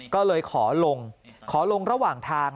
ก็เลยขอลงขอลงระหว่างทาง